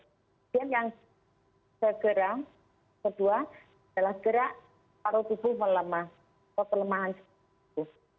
kemudian yang segera kedua adalah gerak paru tubuh melemah atau kelemahan tubuh